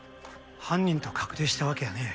犯人と確定したわけやねえ。